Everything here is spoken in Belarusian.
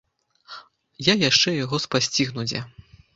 Я яшчэ яго спасцігну дзе!